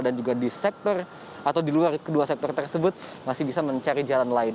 dan juga di sektor atau di luar kedua sektor tersebut masih bisa mencari jalan lain